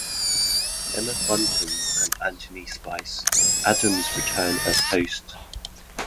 Emma Bunton and Anthony "Spice" Adams return as hosts.